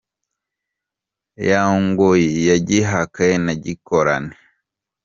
Ya ngoyi ya Gihake na Gikoloni